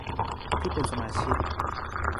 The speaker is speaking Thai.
ที่เป็นสมาชิก